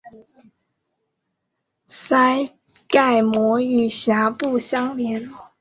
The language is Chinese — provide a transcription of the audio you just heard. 腮盖膜与峡部相连。